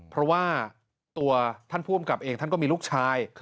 เพราะว่าตัวท่านผู้อำกับเองท่านก็มีลูกชาย